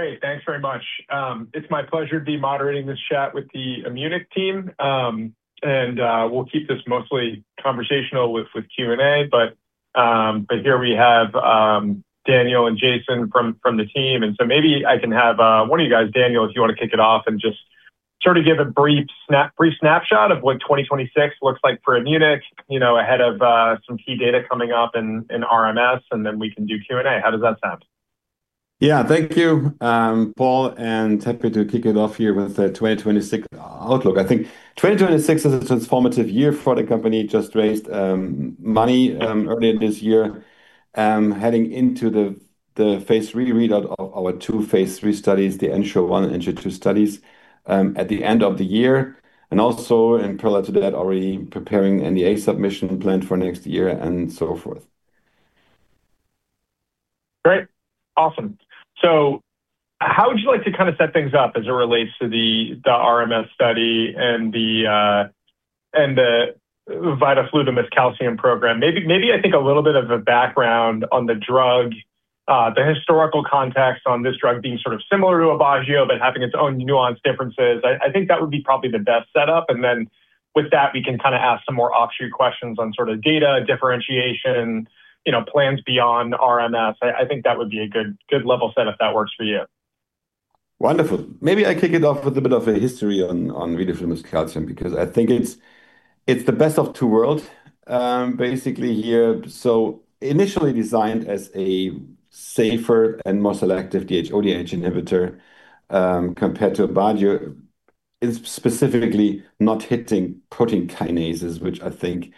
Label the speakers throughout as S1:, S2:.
S1: Great. Thanks very much. It's my pleasure to be moderating this chat with the Immunic team, and we'll keep this mostly conversational with Q&A. Here we have Daniel and Jason from the team, so maybe I can have one of you guys, Daniel, if you want to kick it off and just sort of give a brief snapshot of what 2026 looks like for Immunic, you know, ahead of some key data coming up in RMS, and then we can do Q&A. How does that sound?
S2: Yeah. Thank you, Paul, and happy to kick it off here with the 2026 outlook. I think 2026 is a transformative year for the company, just raised money earlier this year, heading into the phase III readout of our two phase III studies, the ENSURE-1 and ENSURE-2 studies, at the end of the year. Also in parallel to that, already preparing NDA submission planned for next year and so forth.
S1: Great. Awesome. How would you like to kind of set things up as it relates to the RMS study and the vidofludimus calcium program? Maybe I think a little bit of a background on the drug, the historical context on this drug being sort of similar to Aubagio, but having its own nuanced differences. I think that would be probably the best setup. With that, we can kind of ask some more offshoot questions on sort of data, differentiation, you know, plans beyond RMS. I think that would be a good level set if that works for you.
S2: Wonderful. Maybe I kick it off with a bit of a history on vidofludimus calcium because I think it's the best of two worlds, basically here. Initially designed as a safer and more selective DHODH inhibitor, compared to Aubagio. It's specifically not hitting protein kinases, which I think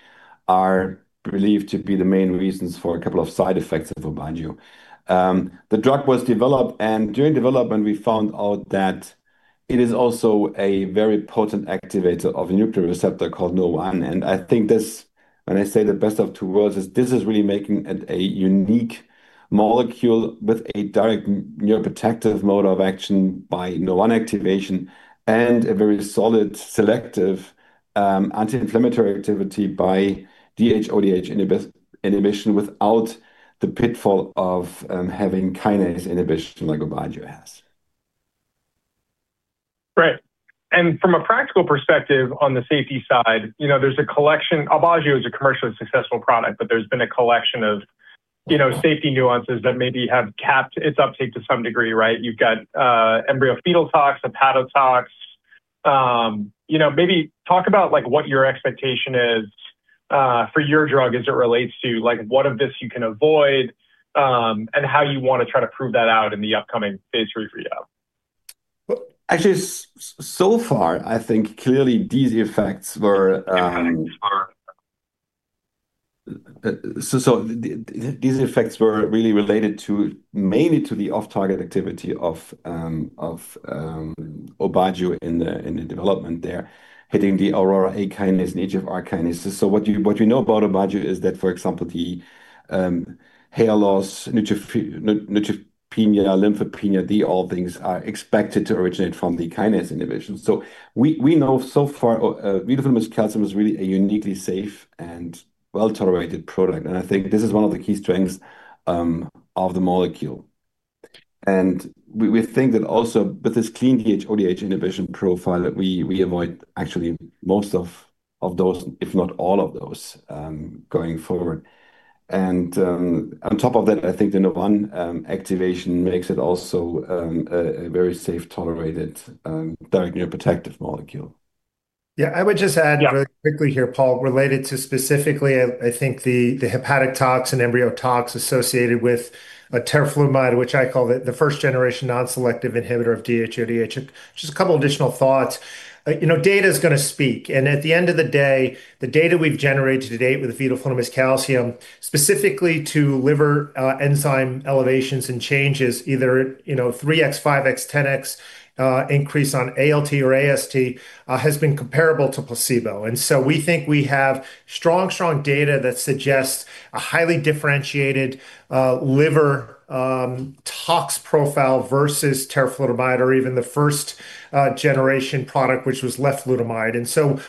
S2: are believed to be the main reasons for a couple of side effects of Aubagio. The drug was developed, and during development we found out that it is also a very potent activator of a nuclear receptor called Nurr1. I think this, when I say the best of two worlds, is really making a unique molecule with a direct neuroprotective mode of action by Nurr1 activation and a very solid selective anti-inflammatory activity by DHODH inhibition without the pitfall of having kinase inhibition like Aubagio has.
S1: Right. From a practical perspective on the safety side, you know, Aubagio is a commercially successful product, but there's been a collection of, you know, safety nuances that maybe have capped its uptake to some degree, right? You've got, embryo-fetal toxicity, hepatotoxicity. You know, maybe talk about like what your expectation is, for your drug as it relates to like what of this you can avoid, and how you want to try to prove that out in the upcoming phase III readout.
S2: Well, actually so far, I think clearly these effects were...
S1: Effects were.
S2: These effects were really related mainly to the off-target activity of Aubagio in the development there, hitting the Aurora A kinase and EGFR kinases. What you know about Aubagio is that, for example, the hair loss, neutropenia, lymphopenia, they all things are expected to originate from the kinase inhibition. We know so far vidofludimus calcium is really a uniquely safe and well-tolerated product. I think this is one of the key strengths of the molecule. We think that also with this clean DHODH inhibition profile that we avoid actually most of those, if not all of those, going forward. On top of that, I think the Nurr1 activation makes it also a very safe tolerated direct neuroprotective molecule.
S3: Yeah. I would just add.
S1: Yeah.
S3: Really quickly here, Paul, related to specifically, I think the hepatotoxicity and embryo-fetal toxicity associated with teriflunomide, which I call the first-generation non-selective inhibitor of DHODH. Just a couple additional thoughts. You know, data is going to speak. At the end of the day, the data we've generated to date with vidofludimus calcium, specifically to liver enzyme elevations and changes, either you know, 3x, 5x, 10x increase on ALT or AST, has been comparable to placebo. We think we have strong data that suggests a highly differentiated liver tox profile versus teriflunomide or even the first generation product, which was leflunomide.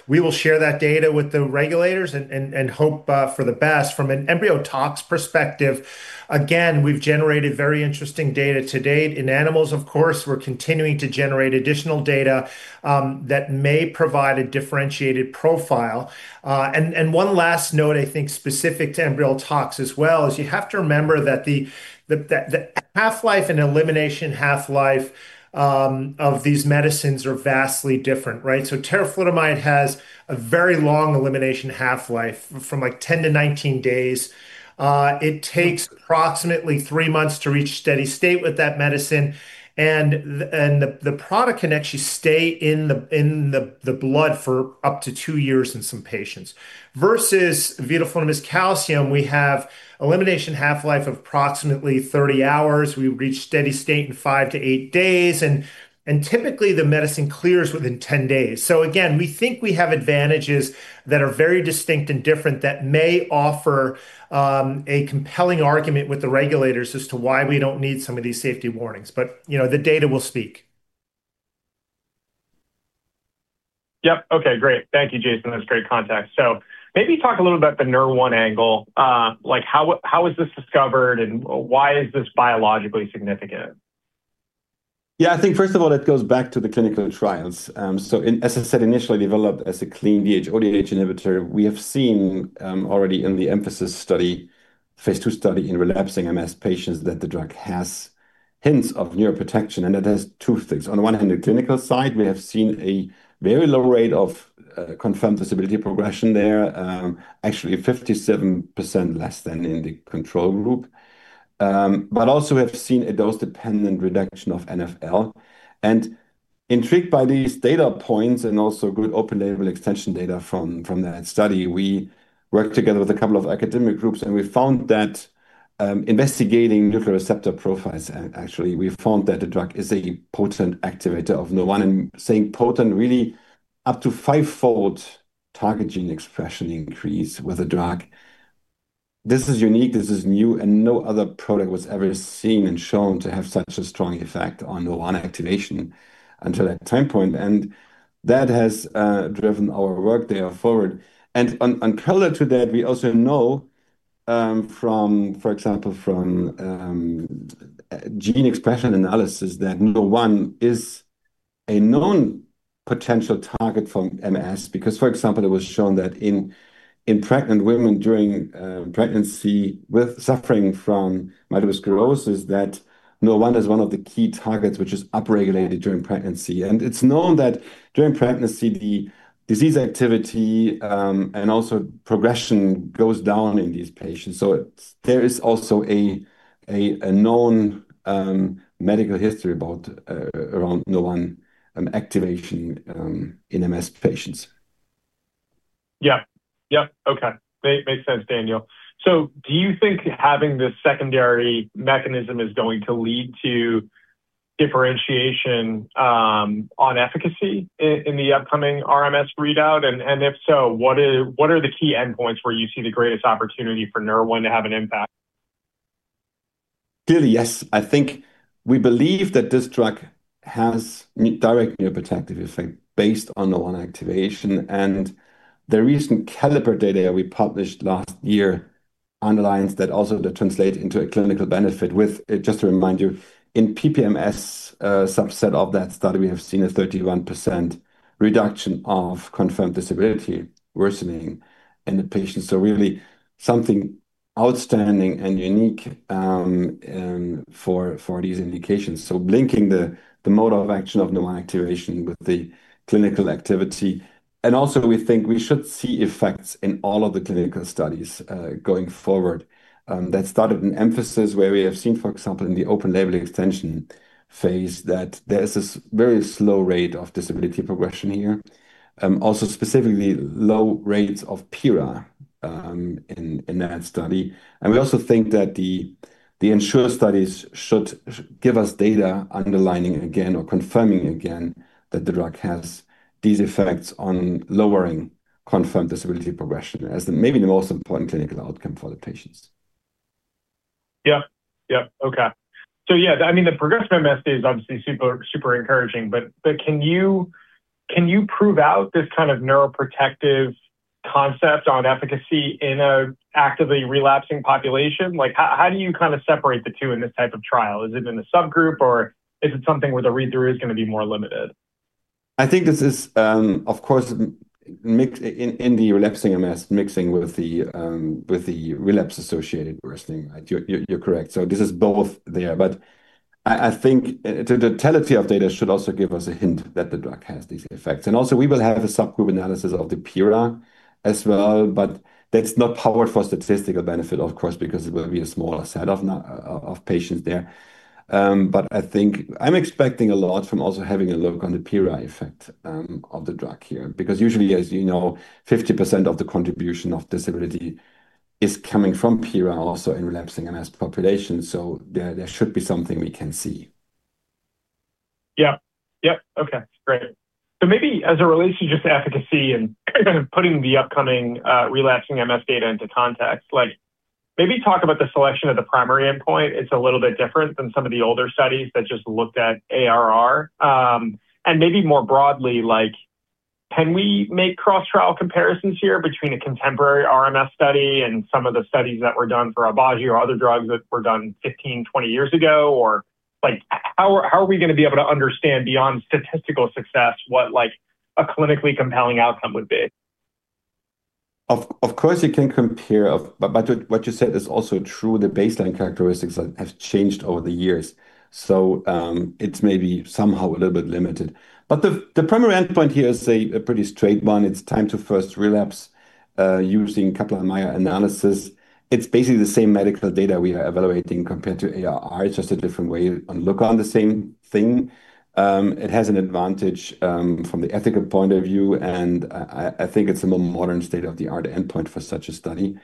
S3: We will share that data with the regulators and hope for the best. From an embryo tox perspective, again, we've generated very interesting data to date in animals, of course. We're continuing to generate additional data that may provide a differentiated profile. One last note I think specific to embryo tox as well is you have to remember that the half-life and elimination half-life of these medicines are vastly different, right? Teriflunomide has a very long elimination half-life from like 10-19 days. It takes approximately three months to reach steady state with that medicine. The product can actually stay in the blood for up to two years in some patients. Versus vidofludimus calcium, we have elimination half-life of approximately 30 hours. We reach steady state in five-eight days and typically the medicine clears within 10 days. Again, we think we have advantages that are very distinct and different that may offer a compelling argument with the regulators as to why we don't need some of these safety warnings. You know, the data will speak.
S1: Yep. Okay, great. Thank you, Jason. That's great context. Maybe talk a little about the Nurr1 angle. Like how was this discovered, and why is this biologically significant?
S2: Yeah. I think first of all, it goes back to the clinical trials. As I said, initially developed as a clean DHODH inhibitor, we have seen already in the EMPhASIS study, phase II study in relapsing MS patients that the drug has hints of neuroprotection. It has two things. On the one hand, the clinical side, we have seen a very low rate of confirmed disability progression there. Actually 57% less than in the control group. Also we have seen a dose-dependent reduction of NFL. Intrigued by these data points and also good open label extension data from that study, we worked together with a couple of academic groups, and we found that investigating nuclear receptor profiles, actually we found that the drug is a potent activator of Nurr1. Saying potent, really up to 5-fold target gene expression increase with the drug. This is unique, this is new, and no other product was ever seen and shown to have such a strong effect on Nurr1 activation until that time point. That has driven our work there forward. On, and color to that, we also know from, for example, gene expression analysis that Nurr1 is a known potential target for MS. Because, for example, it was shown that in pregnant women during pregnancy with suffering from multiple sclerosis that Nurr1 is one of the key targets which is upregulated during pregnancy. It's known that during pregnancy, the disease activity and also progression goes down in these patients. There is also a known medical history about around Nurr1 activation in MS patients.
S1: Yeah. Yep. Okay. Makes sense, Daniel. Do you think having this secondary mechanism is going to lead to differentiation on efficacy in the upcoming RMS readout? If so, what are the key endpoints where you see the greatest opportunity for Nurr1 to have an impact?
S2: Clearly, yes. I think we believe that this drug has direct neuroprotective effect based on the Nurr1 activation. The recent CALLIPER data we published last year underlines that also to translate into a clinical benefit with, just to remind you, in PPMS, a subset of that study, we have seen a 31% reduction of confirmed disability worsening in the patients. Really something outstanding and unique for these indications. Linking the mode of action of Nurr1 activation with the clinical activity. We think we should see effects in all of the clinical studies going forward that started in EMPhASIS where we have seen, for example, in the open label extension phase, that there is this very slow rate of disability progression here. Also specifically low rates of PIRA in that study. We also think that the ENSURE studies should give us data underlining again or confirming again that the drug has these effects on lowering confirmed disability progression as maybe the most important clinical outcome for the patients.
S1: Yeah. Okay. Yeah, I mean, the progressive MS data is obviously super encouraging. But can you prove out this kind of neuroprotective concept on efficacy in an actively relapsing population? Like, how do you kind of separate the two in this type of trial? Is it in a subgroup, or is it something where the read-through is gonna be more limited?
S2: I think this is, of course, mixing in the relapsing MS, mixing with the relapse associated worsening. Right. You're correct. This is both there. I think the totality of data should also give us a hint that the drug has these effects. We will have the subgroup analysis of the PIRA as well, but that's not powered for statistical benefit of course, because it will be a smaller set of n of patients there. I think I'm expecting a lot from also having a look on the PIRA effect of the drug here. Because usually, as you know, 50% of the contribution of disability is coming from PIRA also in relapsing MS population. There should be something we can see.
S1: Yeah. Yeah. Okay. Great. Maybe as it relates to just efficacy and kind of putting the upcoming relapsing MS data into context, like maybe talk about the selection of the primary endpoint. It's a little bit different than some of the older studies that just looked at ARR. Maybe more broadly, like can we make cross-trial comparisons here between a contemporary RMS study and some of the studies that were done for Aubagio or other drugs that were done 15, 20 years ago? Like how are we gonna be able to understand beyond statistical success what like a clinically compelling outcome would be?
S2: What you said is also true, the baseline characteristics have changed over the years. It's maybe somehow a little bit limited. The primary endpoint here is a pretty straight one. It's time to first relapse using Kaplan-Meier analysis. It's basically the same medical data we are evaluating compared to ARR. It's just a different way to look at the same thing. It has an advantage from the ethical point of view, and I think it's a more modern state-of-the-art endpoint for such a study.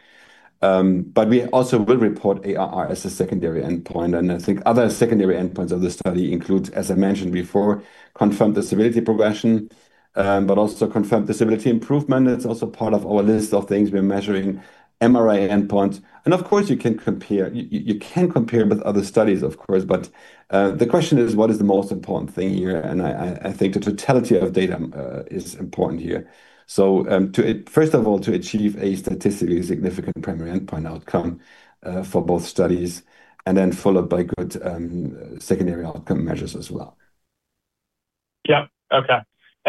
S2: We also will report ARR as a secondary endpoint. I think other secondary endpoints of this study includes, as I mentioned before, confirmed disability progression, but also confirmed disability improvement. That's also part of our list of things we're measuring, MRI endpoints. Of course, you can compare. You can compare with other studies of course, but the question is what is the most important thing here? I think the totality of data is important here. First of all, to achieve a statistically significant primary endpoint outcome for both studies, and then followed by good secondary outcome measures as well.
S1: Yeah. Okay.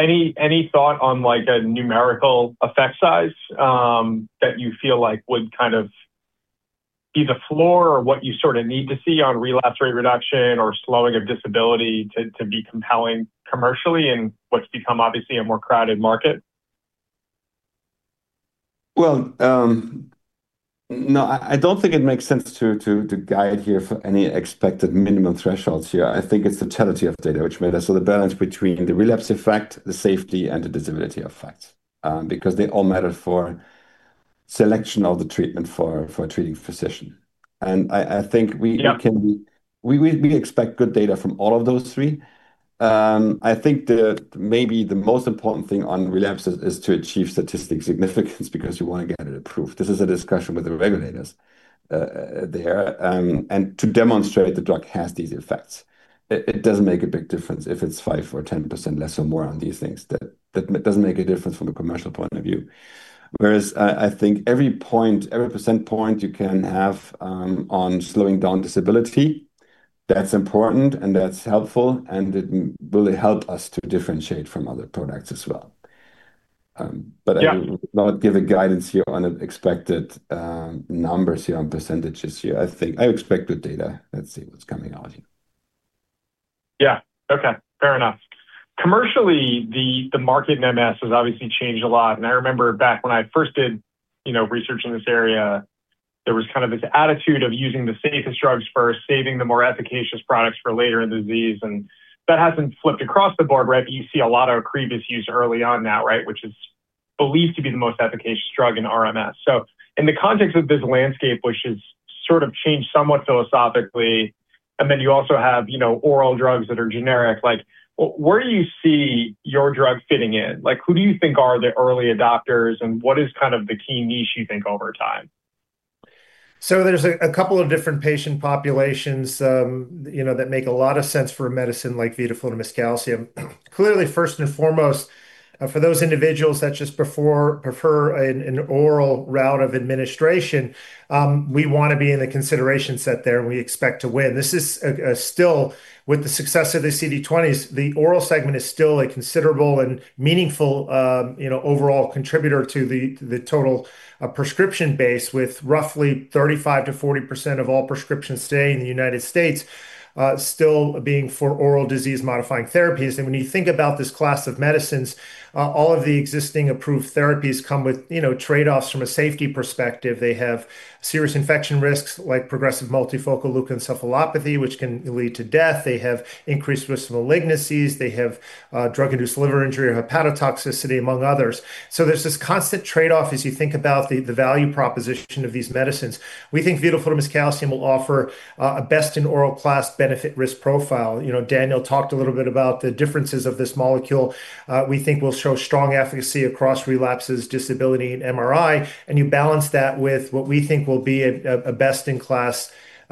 S1: Any thought on like a numerical effect size, that you feel like would kind of be the floor or what you sort of need to see on relapse rate reduction or slowing of disability to be compelling commercially in what's become obviously a more crowded market?
S3: Well, no, I don't think it makes sense to guide here for any expected minimum thresholds here. I think it's the totality of data which matters. The balance between the relapse effect, the safety, and the disability effect, because they all matter for selection of the treatment for a treating physician. I think we-
S1: Yeah....
S3: can we expect good data from all of those three. I think maybe the most important thing on relapses is to achieve statistical significance because you want to get it approved. This is a discussion with the regulators there. And to demonstrate the drug has these effects. It doesn't make a big difference if it's 5% or 10% less or more on these things. That doesn't make a big difference from a commercial point of view. Whereas I think every percentage point you can have on slowing down disability, that's important, and that's helpful, and it will help us to differentiate from other products as well. But I-
S1: Yeah....
S3: will not give a guidance here on expected, numbers here, on percentages here. I think I expect good data. Let's see what's coming out here.
S1: Yeah. Okay. Fair enough. Commercially, the market in MS has obviously changed a lot. I remember back when I first did, you know, research in this area, there was kind of this attitude of using the safest drugs first, saving the more efficacious products for later in the disease, and that hasn't flipped across the board. Right? You see a lot of OCREVUS used early on now, right, which is believed to be the most efficacious drug in RMS. In the context of this landscape, which has sort of changed somewhat philosophically, and then you also have, you know, oral drugs that are generic. Like where do you see your drug fitting in? Like, who do you think are the early adopters, and what is kind of the key niche you think over time?
S3: There's a couple of different patient populations, you know, that make a lot of sense for a medicine like vidofludimus calcium. Clearly, first and foremost, for those individuals that just prefer an oral route of administration, we want to be in the consideration set there, and we expect to win. This is still with the success of the CD20s, the oral segment is still a considerable and meaningful, you know, overall contributor to the total prescription base, with roughly 35%-40% of all prescriptions today in the United States still being for oral disease-modifying therapies. When you think about this class of medicines, all of the existing approved therapies come with, you know, trade-offs from a safety perspective. They have serious infection risks like progressive multifocal leukoencephalopathy, which can lead to death. They have increased risk of malignancies. They have drug-induced liver injury or hepatotoxicity, among others. There's this constant trade-off as you think about the value proposition of these medicines. We think vidofludimus calcium will offer a best-in-oral-class benefit risk profile. You know, Daniel talked a little bit about the differences of this molecule, we think will show strong efficacy across relapses, disability, and MRI. You balance that with what we think will be a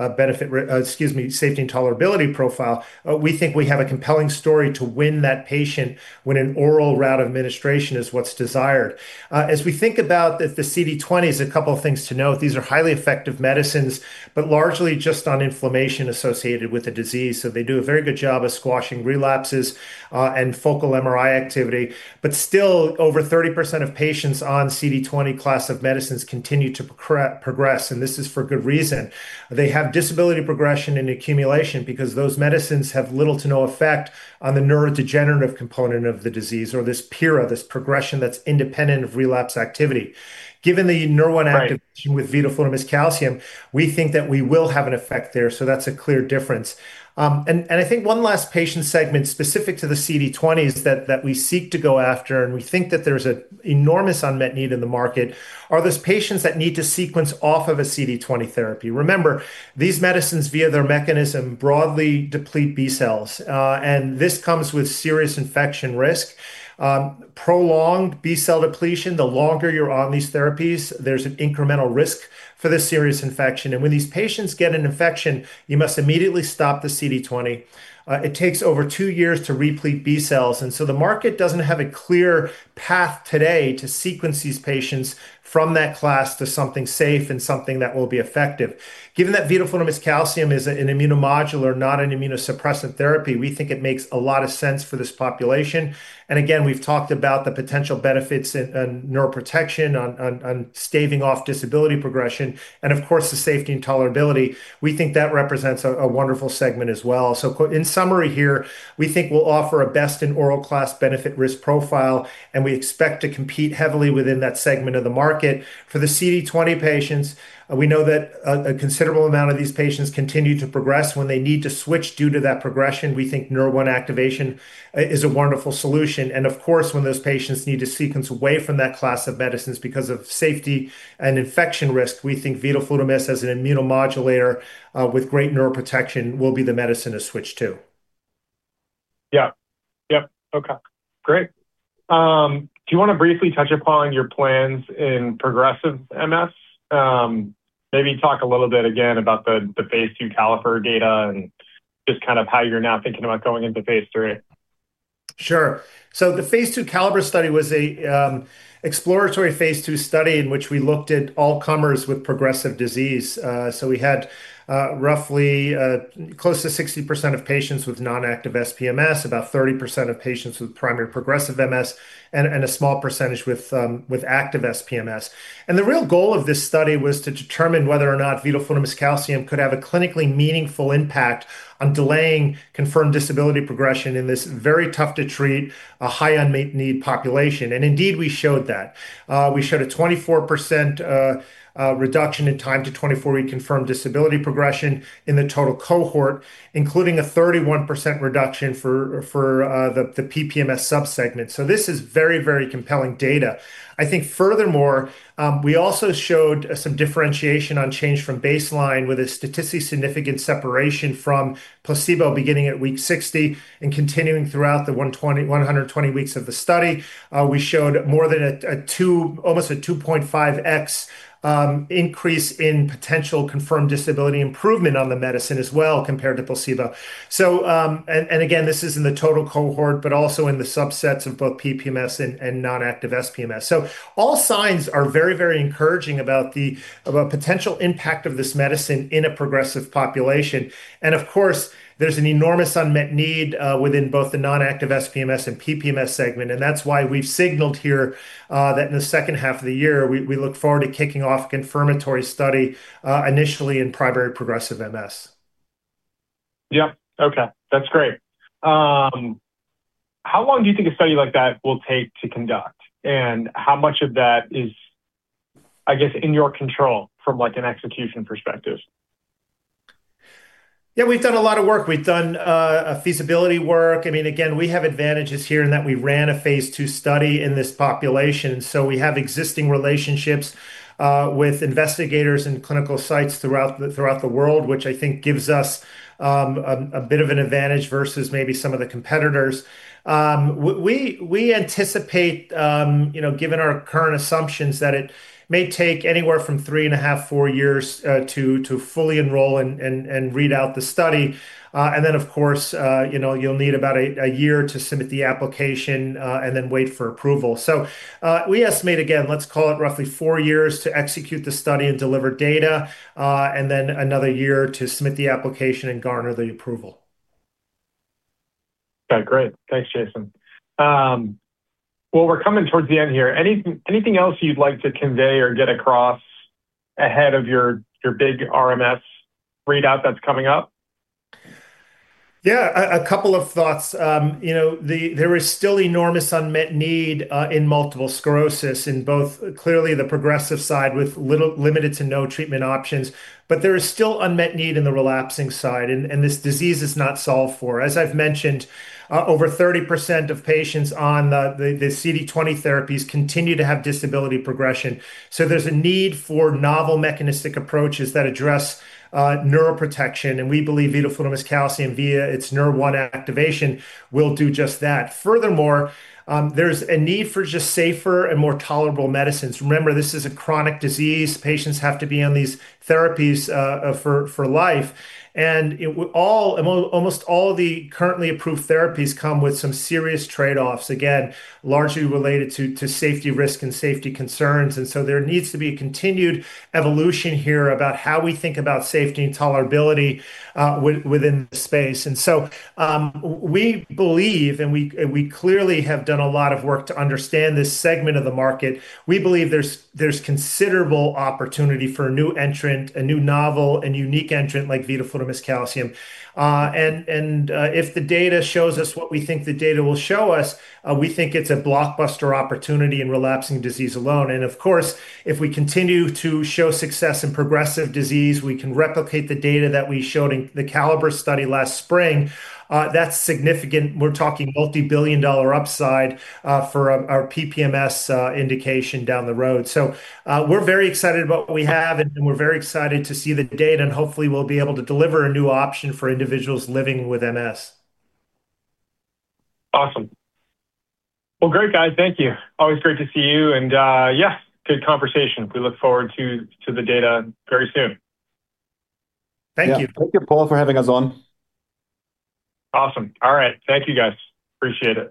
S3: best-in-class safety and tolerability profile. We think we have a compelling story to win that patient when an oral route of administration is what's desired. As we think about the CD20s, a couple of things to note. These are highly effective medicines, but largely just on inflammation associated with the disease. They do a very good job of squashing relapses, and focal MRI activity. Still, over 30% of patients on CD20 class of medicines continue to progress, and this is for good reason. They have disability progression and accumulation because those medicines have little to no effect on the neurodegenerative component of the disease or this PIRA, this progression that's independent of relapse activity. Given the neuro-
S1: Right....
S3: one activation with vidofludimus calcium, we think that we will have an effect there. That's a clear difference. I think one last patient segment specific to the CD20 is that we seek to go after, and we think that there's an enormous unmet need in the market, are those patients that need to sequence off of a CD20 therapy. Remember, these medicines via their mechanism broadly deplete B cells, and this comes with serious infection risk. Prolonged B cell depletion, the longer you're on these therapies, there's an incremental risk for this serious infection. When these patients get an infection, you must immediately stop the CD20. It takes over two years to replete B cells. The market doesn't have a clear path today to sequence these patients from that class to something safe and something that will be effective. Given that vidofludimus calcium is an immunomodulator, not an immunosuppressant therapy, we think it makes a lot of sense for this population. Again, we've talked about the potential benefits in neuroprotection on staving off disability progression and of course, the safety and tolerability. We think that represents a wonderful segment as well. In summary here, we think we'll offer a best-in-oral-class benefit risk profile, and we expect to compete heavily within that segment of the market. For the CD20 patients, we know that a considerable amount of these patients continue to progress when they need to switch due to that progression. We think Nurr1 activation is a wonderful solution. Of course, when those patients need to sequence away from that class of medicines because of safety and infection risk, we think vidofludimus as an immunomodulator with great neuroprotection, will be the medicine to switch to.
S1: Yeah. Yep. Okay. Great. Do you want to briefly touch upon your plans in progressive MS? Maybe talk a little bit again about the phase II CALLIPER data and just kind of how you're now thinking about going into phase III.
S3: Sure. The phase II CALLIPER study was an exploratory phase II study in which we looked at all comers with progressive disease. We had roughly close to 60% of patients with non-active SPMS, about 30% of patients with primary progressive MS, and a small percentage with active SPMS. The real goal of this study was to determine whether or not vidofludimus calcium could have a clinically meaningful impact on delaying confirmed disability progression in this very tough-to-treat, high unmet need population. Indeed, we showed that. We showed a 24% reduction in time to 24-week confirmed disability progression in the total cohort, including a 31% reduction for the PPMS sub-segment. This is very, very compelling data. I think furthermore, we also showed some differentiation on change from baseline with a statistically significant separation from placebo beginning at week 60 and continuing throughout the 120 weeks of the study. We showed more than a two, almost a 2.5x increase in potential confirmed disability improvement on the medicine as well compared to placebo. And again, this is in the total cohort, but also in the subsets of both PPMS and non-active SPMS. All signs are very encouraging about the potential impact of this medicine in a progressive population. Of course, there's an enormous unmet need within both the non-active SPMS and PPMS segment, and that's why we've signaled here that in the second half of the year, we look forward to kicking off confirmatory study initially in primary progressive MS.
S1: Yep. Okay. That's great. How long do you think a study like that will take to conduct? How much of that is, I guess, in your control from, like, an execution perspective?
S3: Yeah, we've done a lot of work. We've done a feasibility work. I mean, again, we have advantages here in that we ran a phase II study in this population, so we have existing relationships with investigators and clinical sites throughout the world, which I think gives us a bit of an advantage versus maybe some of the competitors. We anticipate, you know, given our current assumptions, that it may take anywhere from three and a half-four years to fully enroll and read out the study. Of course, you know, you'll need about a year to submit the application and then wait for approval. We estimate, again, let's call it roughly four years to execute the study and deliver data, and then another year to submit the application and garner the approval.
S1: Okay. Great. Thanks, Jason. Well, we're coming towards the end here. Anything else you'd like to convey or get across ahead of your big RMS readout that's coming up?
S3: Yeah. A couple of thoughts. You know, there is still enormous unmet need in multiple sclerosis in both clearly the progressive side with little to no treatment options, but there is still unmet need in the relapsing side, and this disease is not solved for. As I've mentioned, over 30% of patients on the CD20 therapies continue to have disability progression. There's a need for novel mechanistic approaches that address neuroprotection, and we believe vidofludimus calcium via its Nurr1 activation will do just that. Furthermore, there's a need for just safer and more tolerable medicines. Remember, this is a chronic disease. Patients have to be on these therapies for life. Almost all the currently approved therapies come with some serious trade-offs, again, largely related to safety risk and safety concerns. There needs to be continued evolution here about how we think about safety and tolerability within the space. We believe we clearly have done a lot of work to understand this segment of the market. We believe there's considerable opportunity for a new entrant, a new novel and unique entrant like vidofludimus calcium. If the data shows us what we think the data will show us, we think it's a blockbuster opportunity in relapsing disease alone. Of course, if we continue to show success in progressive disease, we can replicate the data that we showed in the CALLIPER study last spring. That's significant. We're talking multi-billion dollar upside for our PPMS indication down the road. We're very excited about what we have, and we're very excited to see the data, and hopefully we'll be able to deliver a new option for individuals living with MS.
S1: Awesome. Well, great, guys. Thank you. Always great to see you, and yeah, good conversation. We look forward to the data very soon.
S3: Thank you.
S2: Yeah. Thank you, Paul, for having us on.
S1: Awesome. All right. Thank you guys. Appreciate it.